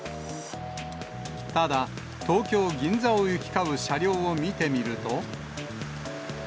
ただ、東京・銀座を行き交う車両を見てみると。